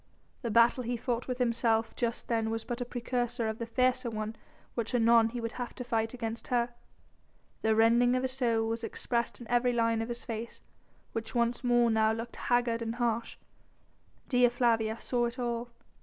The battle he fought with himself just then was but a precursor of the fiercer one which anon he would have to fight against her. The rending of his soul was expressed in every line of his face, which once more now looked haggard and harsh; Dea Flavia saw it all.